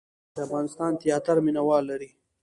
د افغانستان تیاتر مینه وال لري